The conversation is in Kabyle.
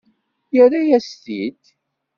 Yerra-yas-t-id.